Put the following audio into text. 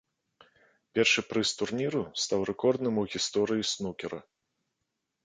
Першы прыз турніру стаў рэкордным у гісторыі снукера.